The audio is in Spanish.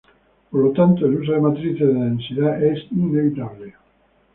Por lo tanto, el uso de matrices de densidad es inevitable.